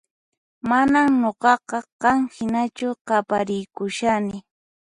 Manan nuqaqa qan hinachu qapariykushani